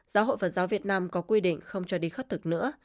giáo hội phật giáo việt nam có quy định không cho đi khất thực nữa